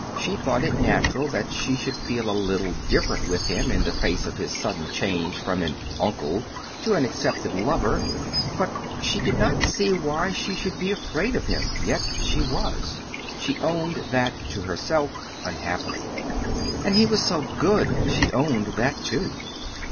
She thought it natural that she should feel a little diffident with him, in the face of his sudden change from an "uncle" to an accepted lover; but she did not see why she should be afraid of him yet she was. She owned that to herself unhappily. And he was so good! she owned that, too.